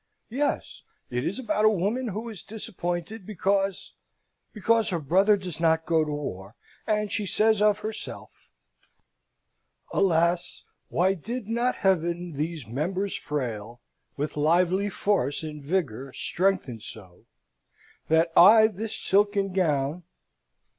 "Yes! it is about a woman who is disappointed because because her brother does not go to war, and she says of herself "'Alas! why did not Heaven these members frail With lively force and vigour strengthen, so That I this silken gown...'"